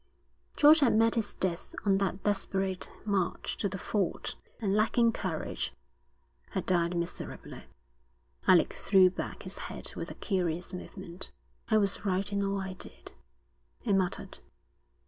George had met his death on that desperate march to the ford, and lacking courage, had died miserably. Alec threw back his head with a curious movement. 'I was right in all I did,' he muttered.